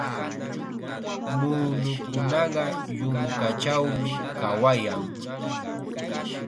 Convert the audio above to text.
Muunukunaqa yunkachawmi kawayan.